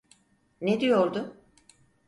Ne diyordu?